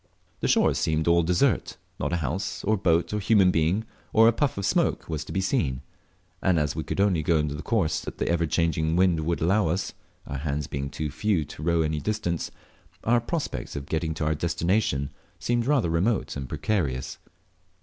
The shores seemed all desert; not a house, or boat, or human being, or a puff of smoke was to be seen; and as we could only go on the course that the ever changing wind would allow us (our hands being too few to row any distance), our prospects of getting to our destination seemed rather remote and precarious.